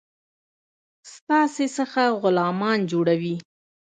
ستاسي څخه غلامان جوړوي.